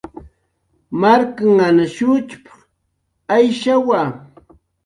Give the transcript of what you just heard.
"Marknhan shutxp""q Ayshawa."